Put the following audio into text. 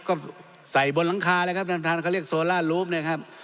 ก็ใส่บนหลังคาเลยครับท่านท่านเขาเรียกโซล่าลูปนะครับ